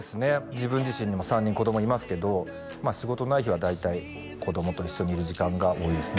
自分自身にも３人子供いますけど仕事ない日は大体子供と一緒にいる時間が多いですね